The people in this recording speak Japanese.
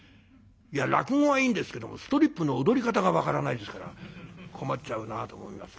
いや落語はいいんですけどもストリップの踊り方が分からないですから困っちゃうなと思いますけども。